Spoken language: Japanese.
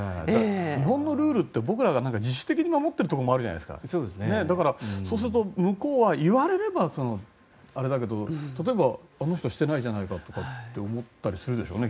日本のルールって僕らが自主的に守っているところもあるから向こうは言われればあれだけど例えば、あの人はしていないじゃないかって思うでしょうね。